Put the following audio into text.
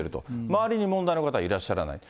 周りに問題の方はいらっしゃらないと。